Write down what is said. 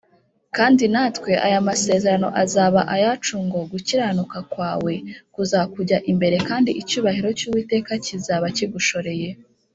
kandi natwe aya masezerano azaba ayacu ngo, “gukiranuka kwawe kuzakujya imbere, kandi icyubahiro cy’uwiteka kizaba kigushoreye